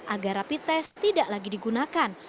agar rapi tes tidak lagi digunakan